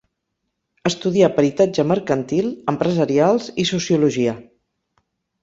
Estudià Peritatge mercantil, empresarials i sociologia.